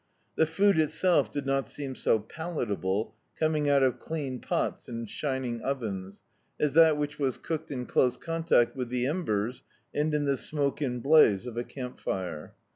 The food itself did not seem so palatable coming out of clean pots and shining ovens, as that which was cooked in close craitact with the embers, and in the smoke and blaze of a camp fire.